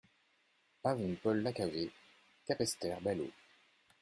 Avenue Paul Lacavé, Capesterre-Belle-Eau